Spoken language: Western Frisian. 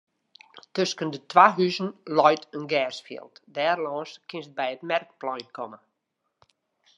Tusken de twa huzen leit in gersfjild; dêrlâns kinst by it merkplein komme.